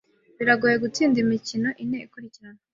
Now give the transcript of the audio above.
Biragoye gutsinda imikino ine ikurikirana.